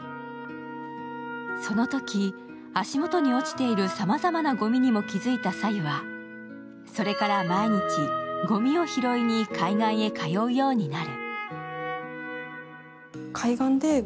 そのとき、足元に落ちている、さまざまなごみにも気づいた早柚はそれから毎日、ごみを拾いに海岸へ通うようになる。